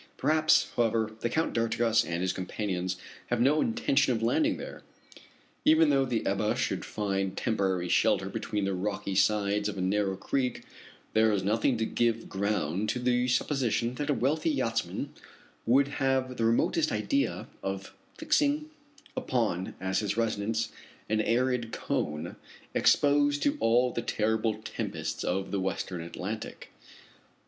Perhaps, however, the Count d'Artigas and his companions have no intention of landing there. Even though the Ebba should find temporary shelter between the rocky sides of a narrow creek there is nothing to give ground to the supposition that a wealthy yachtsman would have the remotest idea of fixing upon as his residence an arid cone exposed to all the terrible tempests of the Western Atlantic.